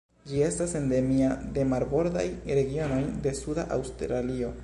Ĝi estas endemia de marbordaj regionoj de suda Aŭstralio.